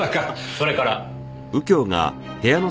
それから。